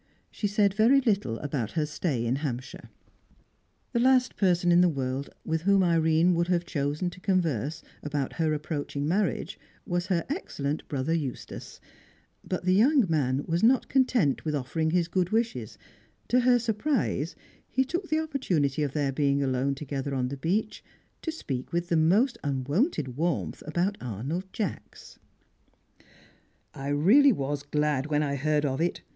She said very little about her stay in Hampshire. The last person in the world with whom Irene would have chosen to converse about her approaching marriage was her excellent brother Eustace; but the young man was not content with offering his good wishes; to her surprise, he took the opportunity of their being alone together on the beach, to speak with most unwonted warmth about Arnold Jacks. "I really was glad when I heard of it!